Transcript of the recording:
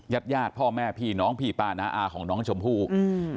ญาติญาติพ่อแม่พี่น้องพี่ป้าน้าอาของน้องชมพู่อืม